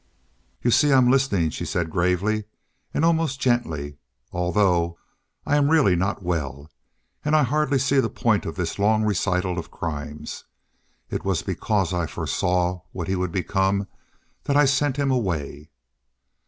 "You see I am listening," she said gravely and almost gently. "Although I am really not well. And I hardly see the point of this long recital of crimes. It was because I foresaw what he would become that I sent him away."